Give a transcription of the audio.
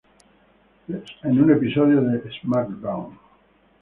En un episodio de "Smackdown!